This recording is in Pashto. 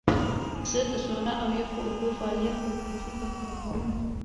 زه د سونا او یخو اوبو فعالیت تدریجي ترسره کوم.